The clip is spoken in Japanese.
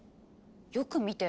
よく見て。